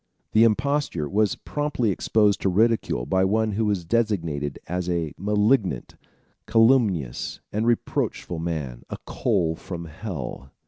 The imposture was promptly exposed to ridicule by one who was designated as "a malignant, calumnious, and reproachful man, a coal from hell."